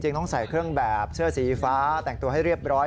ต้องใส่เครื่องแบบเสื้อสีฟ้าแต่งตัวให้เรียบร้อย